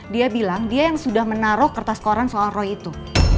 dia bilang dia yang sudah menaruh kertas koran soal roy itu